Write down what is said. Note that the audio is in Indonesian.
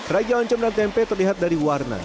raja oncom dan tempe terlihat dari warna